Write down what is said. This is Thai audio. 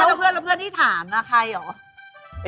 อยู่กับเพื่อนที่ถามครับใครหรือ